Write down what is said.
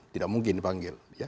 tidak mungkin dipanggil